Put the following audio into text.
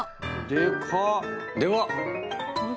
でかっ！